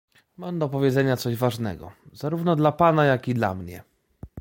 "Mam do powiedzenia coś ważnego, zarówno dla pana, jak i dla mnie“."